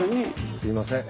すいません。